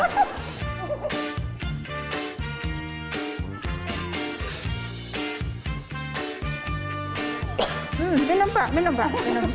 hmm minum pak minum pak